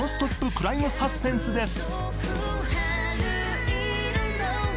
・クライム・サスペンスです